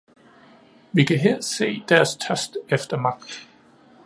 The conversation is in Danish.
Vi kan her se deres tørst efter magt.